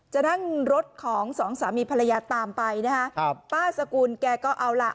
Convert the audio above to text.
จะนั่งรถของสองสามีภรรยาตามไปนะฮะครับป้าสกุลแกก็เอาล่ะ